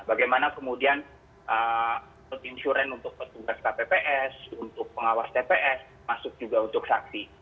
bagaimana kemudian insuran untuk petugas kpps untuk pengawas tps masuk juga untuk saksi